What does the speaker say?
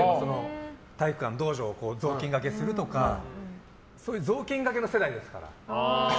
体育館道場をぞうきんがけするとか雑巾がけの世代ですから。